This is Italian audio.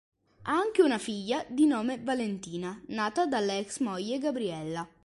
Ha anche una figlia di nome Valentina, nata dalla ex-moglie Gabriella.